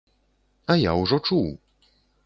А я ўжо чуў.